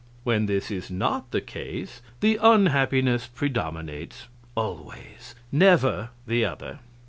When this is not the case the unhappiness predominates always; never the other.